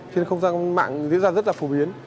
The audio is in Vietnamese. trên không gian mạng diễn ra rất là phổ biến